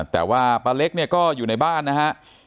แต่ว่าป้าเล็กเนี่ยก็อยู่ในบ้านนะฮะ